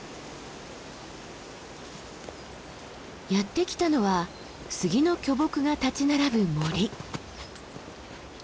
やって来たのは杉の巨木が立ち並ぶ森。